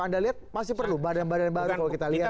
anda lihat masih perlu badan badan baru kalau kita lihat